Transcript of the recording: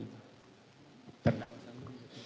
kalau terdakwa kuat